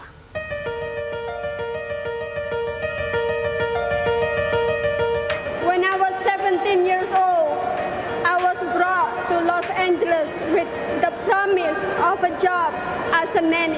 saya diambil ke los angeles dengan janji pekerjaan sebagai nenek